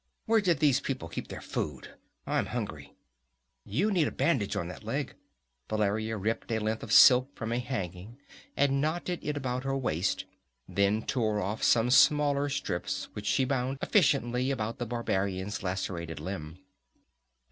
Where did these people keep their food? I'm hungry." "You need a bandage on that leg." Valeria ripped a length of silk from a hanging and knotted it about her waist, then tore off some smaller strips which she bound efficiently about the barbarian's lacerated limb.